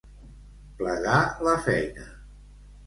Plegar la feina.